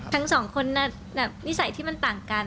ทั้งสองคนแบบนิสัยที่มันต่างกัน